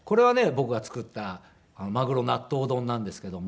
僕が作ったマグロ納豆丼なんですけども。